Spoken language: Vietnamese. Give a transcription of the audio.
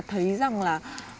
thấy rằng là